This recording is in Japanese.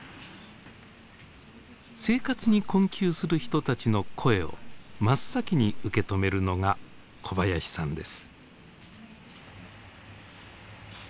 生活に困窮する人たちの声を真っ先に受け止めるのが小林さんです。